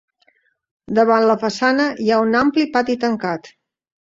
Davant la façana hi ha un ampli pati tancat.